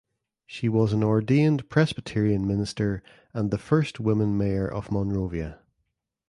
She was an ordained Presbyterian minister and the first woman mayor of Monrovia.